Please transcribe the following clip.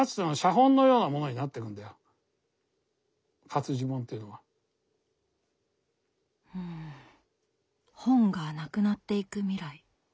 だからうん本がなくなっていく未来。